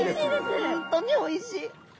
本当においしい。